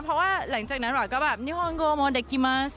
เพราะว่าหลังจากนั้นก็แบบนิฮอลโกมอเดกิมัส